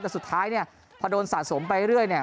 แต่สุดท้ายเนี่ยพอโดนสะสมไปเรื่อยเนี่ย